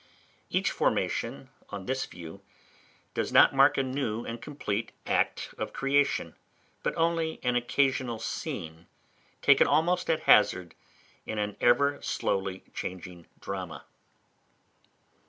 Each formation, on this view, does not mark a new and complete act of creation, but only an occasional scene, taken almost at hazard, in an ever slowly changing drama.